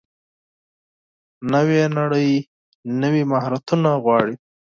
نوې نړۍ نوي مهارتونه غواړي.